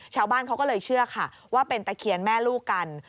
ชาวบ้านเขาก็เลยเชื่อค่ะว่าเป็นตะเคียนแม่ลูกกัน